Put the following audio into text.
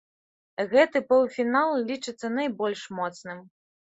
Гэты паўфінал лічыцца найбольш моцным.